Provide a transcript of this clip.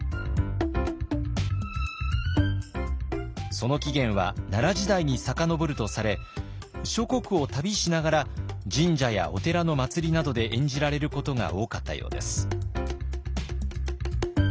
その起源は奈良時代に遡るとされ諸国を旅しながら神社やお寺の祭りなどで演じられることが多かったようです。